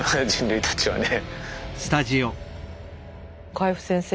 海部先生